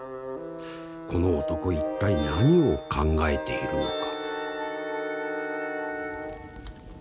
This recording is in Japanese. この男一体何を考えているのか。